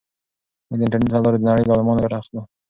موږ د انټرنیټ له لارې د نړۍ له عالمانو ګټه اخلو.